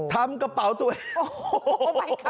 ทำกระเป๋าตัวเอง